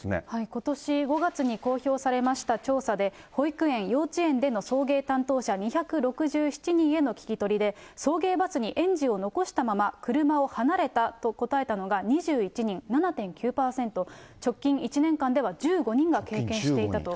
ことし５月に公表されました調査で、保育園、幼稚園での送迎担当者２６７人への聞き取りで、送迎バスに園児を残したまま車を離れたと答えたのが２１人、７．９％、直近１年間では１５人が経験していたと。